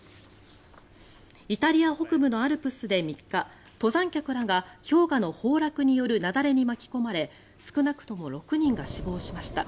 イタリア北部のアルプスで３日登山客らが氷河の崩落による雪崩に巻き込まれ少なくとも６人が死亡しました。